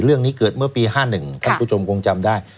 เรื่องนี้เกิดเมื่อปี๕๑ท่านผู้ชมคงจำได้